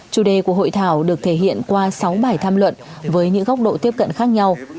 chủ đề của hội thảo được thể hiện qua sáu bài tham luận với những góc độ tiếp cận khác nhau